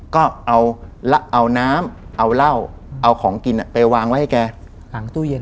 ก็เอาน้ำเอาเหล้าเอาของกินไปวางไว้ให้แกหลังตู้เย็น